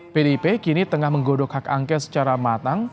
pdip kini tengah menggodok hak angket secara matang